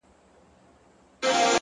نیک عمل له الفاظو ډېر ځواک لري.!